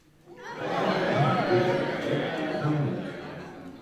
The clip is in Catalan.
Per Cap d'Any en Lluc i en Pep iran al metge.